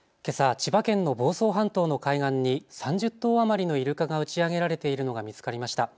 千葉県の房総半島の海岸に３０頭余りのイルカが打ち上げられているのが見つかりました。